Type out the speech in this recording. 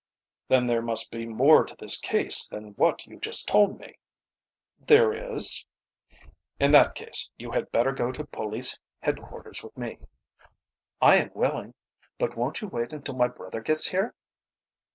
"Then there must be more to this case than what you just told me." "There is." "In that case you had better go to police headquarters with me." "I am willing. But won't you wait until my brother gets here?"